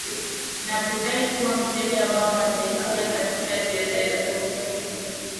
na kudai kuwa mteja wao hataishia katika gereza